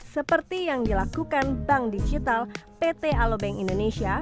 seperti yang dilakukan bank digital pt alobank indonesia